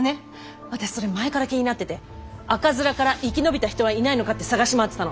私それ前から気になってて赤面から生き延びた人はいないのかって探し回ってたの！